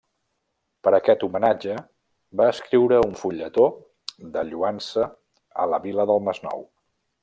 Per aquest homenatge va escriure un fulletó de lloança a la vila del Masnou.